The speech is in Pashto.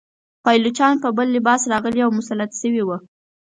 پایلوچان په بل لباس راغلي او مسلط شوي وه.